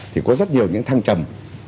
thì có rất nhiều những thăng trầm